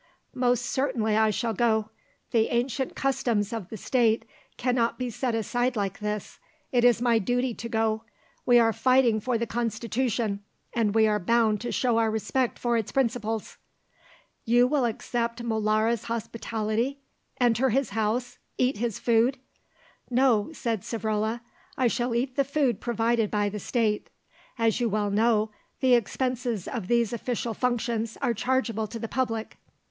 "Most certainly I shall go. The ancient customs of the State cannot be set aside like this. It is my duty to go; we are fighting for the Constitution, and we are bound to show our respect for its principles." "You will accept Molara's hospitality, enter his house, eat his food?" "No," said Savrola; "I shall eat the food provided by the State. As you well know, the expenses of these official functions are chargeable to the public."